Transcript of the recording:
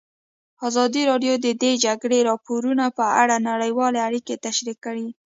ازادي راډیو د د جګړې راپورونه په اړه نړیوالې اړیکې تشریح کړي.